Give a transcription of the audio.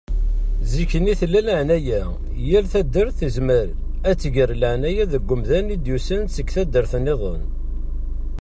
Zikk-nni tella laεnaya. Yal taddart tezmer ad tger laεnaya deg umdan i d-yusan seg taddart-nniḍen.